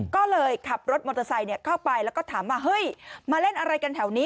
ก็เลยขับรถมอเตอร์ไซค์เข้าไปแล้วก็ถามว่าเฮ้ยมาเล่นอะไรกันแถวนี้